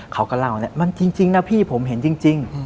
เขาก็เล่าเนี่ยมันจริงนะพี่ผมเห็นจริง